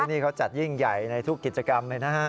นี่เขาจัดยิ่งใหญ่ในทุกกิจกรรมเลยนะฮะ